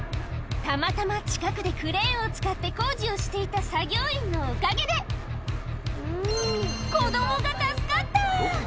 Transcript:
たまたま近くでクレーンを使って工事をしていた作業員のおかげで、子どもが助かった。